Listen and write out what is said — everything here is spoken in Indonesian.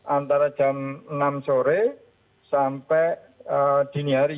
antara jam enam sore sampai dini hari